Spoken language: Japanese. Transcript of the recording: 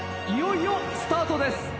いよいよスタートです。